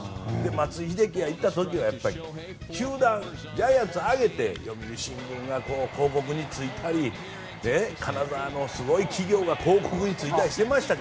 松井秀喜が行った時はジャイアンツを挙げて読売新聞が広告についたりカナダのすごい企業が広告についたりしていました。